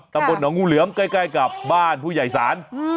ตำบลหนองงูเหลือมใกล้กับบ้านผู้ใหญ่ศาล